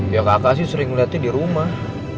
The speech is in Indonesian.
ya kakak sih sering melihatnya di rumah